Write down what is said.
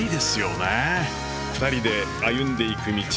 ２人で歩んでいく道